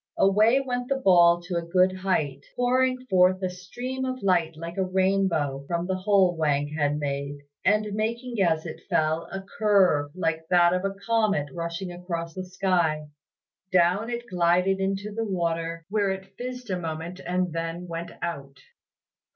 Away went the ball to a good height, pouring forth a stream of light like a rainbow from the hole Wang had made, and making as it fell a curve like that of a comet rushing across the sky. Down it glided into the water, where it fizzed a moment and then went out.